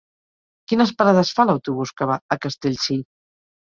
Quines parades fa l'autobús que va a Castellcir?